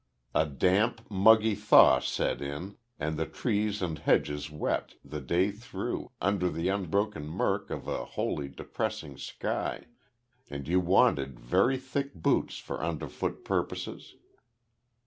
A damp, muggy thaw set in, and the trees and hedges wept, the day through, under the unbroken murk of a wholly depressing sky; and you wanted very thick boots for underfoot purposes.